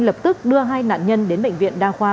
lập tức đưa hai nạn nhân đến bệnh viện đa khoa